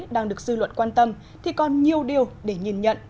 đang được dư luận quan tâm thì còn nhiều điều để nhìn nhận